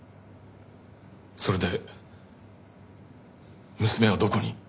それで娘はどこに？